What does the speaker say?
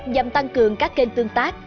nhằm tăng cường các kênh tương tác